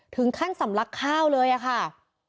ถึงขั้นสำลักข้าวเลยอ่ะค่ะ